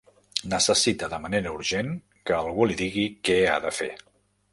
Necessita de manera urgent que algú li digui què ha de fer.